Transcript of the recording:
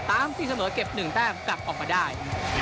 ตีเสมอเก็บ๑แต้มกลับออกมาได้